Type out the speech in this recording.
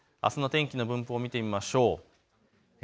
あすの天気の分布を見てみましょう。